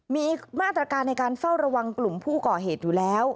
มีมาตรการในการเฝ้าระวังกลุ่มผู้ก่อเหตุอยู่แล้ว